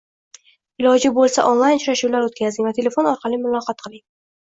Iloji bo'lsa, onlayn uchrashuvlar o'tkazing va telefon orqali muloqot qiling